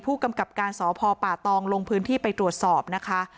ผู้กำกับการสพป่าตองลงพื้นที่ไปตรวจสอบนะคะ